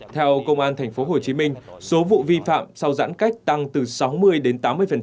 theo công an tp hcm số vụ vi phạm sau giãn cách tăng từ sáu mươi đến tám mươi